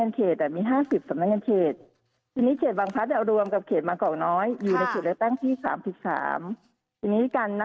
ไม่ทราบสิ่งที่ทางกลุ่มที่มา